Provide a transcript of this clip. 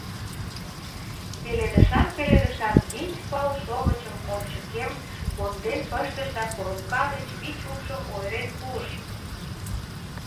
Пеледышан-пеледышан вич пылшовычым ончыкем конден пыштыш да коробка гыч вич упшым ойырен пуыш.